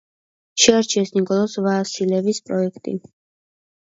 შეარჩიეს ნიკოლოზ ვასილევის პროექტი.